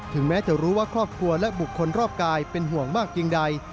แม้จะรู้ว่าครอบครัวและบุคคลรอบกายเป็นห่วงมากเพียงใด